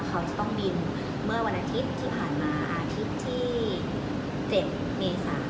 เขาจะต้องบินเมื่อวันอาทิตย์ที่ผ่านมาอาทิตย์ที่๗เมษา